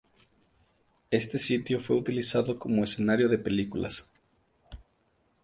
Este sitio fue utilizado como escenario de películas.